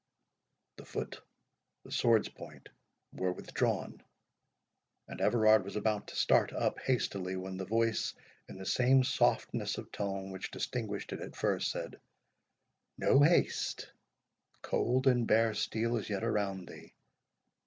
The foot, the sword's point, were withdrawn, and Everard was about to start up hastily, when the voice, in the same softness of tone which distinguished it at first, said, "No haste—cold and bare steel is yet around thee.